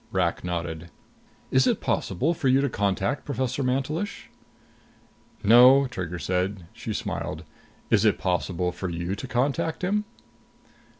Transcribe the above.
Rak nodded. "Is it possible for you to contact Professor Mantelish?" "No," Trigger said. She smiled. "Is it possible for you to contact him?"